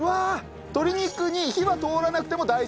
鶏肉に火が通らなくても大丈夫です。